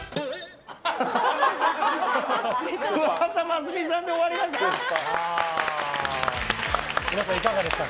桑田真澄さんで終わりました。